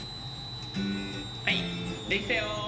はいできたよ。